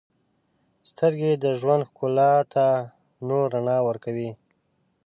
• سترګې د ژوند ښکلا ته نور رڼا ورکوي.